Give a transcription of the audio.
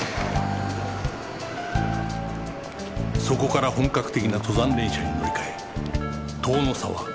そこから本格的な登山電車に乗り換え塔ノ沢